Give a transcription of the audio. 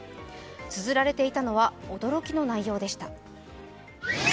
つづられていたのは、驚きの内容でした。